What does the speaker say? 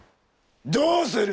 どうする？